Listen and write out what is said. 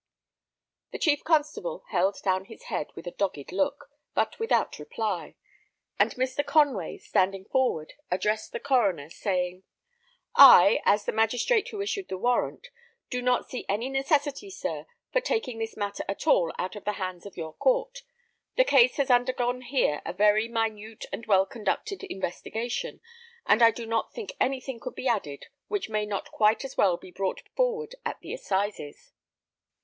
The chief constable held down his head with a dogged look, but without reply; and Mr. Conway, standing forward, addressed the coroner, saying, "I, as the magistrate who issued the warrant, do not see any necessity, sir, for taking this matter at all out of the hands of your court. The case has undergone here a very minute and well conducted investigation, and I do not think anything could be added which may not quite as well be brought forward at the assizes."